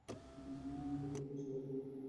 চিন্তা করো না, সুপারম্যান।